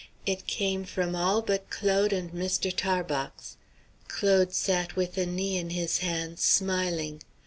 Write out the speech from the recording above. It came from all but Claude and Mr. Tarbox. Claude sat with a knee in his hands, smiling.